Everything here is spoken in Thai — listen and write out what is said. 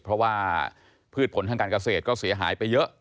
เพราะว่าพืชผลทางการเกษตรก็เสียหายไปเยอะ